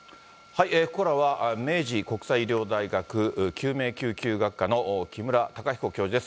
ここからは、明治国際医療大学救命救急学科の木村隆彦教授です。